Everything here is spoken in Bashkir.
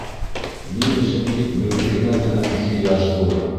Ни өсөн тик беҙҙекенә генә ихтыяж ҙур?